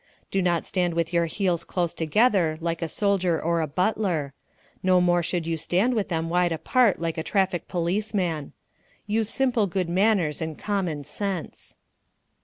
Do not stand with your heels close together, like a soldier or a butler. No more should you stand with them wide apart like a traffic policeman. Use simple good manners and common sense.